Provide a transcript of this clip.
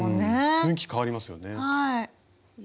雰囲気変わりますよね。